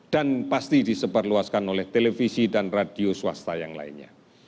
dan pasti disebarluaskan oleh televisi dan radio swasta yang lainnya